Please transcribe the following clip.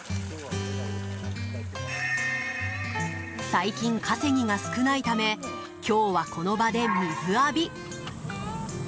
最近、稼ぎが少ないため今日はこの場で水浴び。